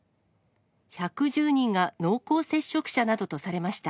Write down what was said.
１１０人が濃厚接触者などとされました。